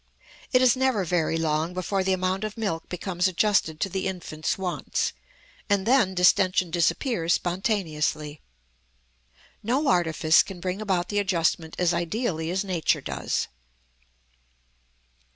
It is never very long before the amount of milk becomes adjusted to the infant's wants, and then distention disappears spontaneously. No artifice can bring about the adjustment as ideally as nature does.